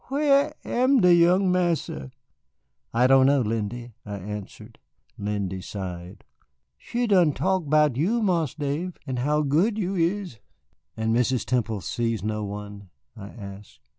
"Where am de young Marsa?" "I don't know, Lindy," I answered. Lindy sighed. "She done talk 'bout you, Marse Dave, an' how good you is " "And Mrs. Temple sees no one," I asked.